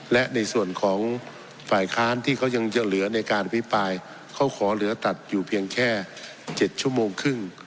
และในส่วนของฝ่ายค้านที่เขายังจะเหลือในการอภิปรายเขาขอเหลือตัดอยู่เพียงแค่๗ชั่วโมงครึ่ง